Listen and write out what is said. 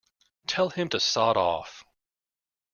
Tell him to Sod Off!